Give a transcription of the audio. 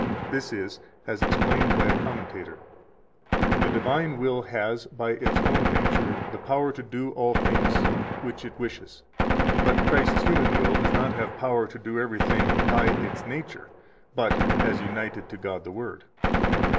This is, as explained by a commentator: "The divine will has, by its own nature, the power to do all things which it wishes; but Christ's human will does not have power to do everything by its nature, but as united to God the Word."